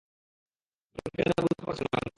তুমি কেন বুঝতে পারছনা মুকেশ?